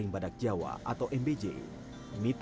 jadi sama sama mendekat